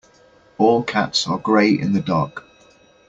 All cats are grey in the dark.